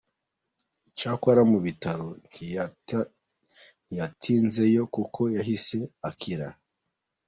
Icyakora mu bitaro ntiyatinzeyo kuko yahise akira.